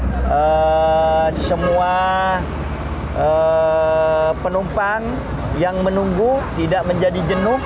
karena semua penumpang yang menunggu tidak menjadi jenuh